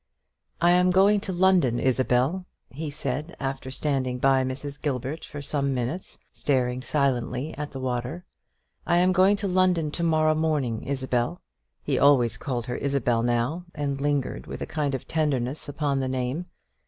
"I am going to London, Isabel," he said, after standing by Mrs. Gilbert for some minutes, staring silently at the water; "I am going to London to morrow morning, Isabel." He always called her Isabel now, and lingered with a kind of tenderness upon the name.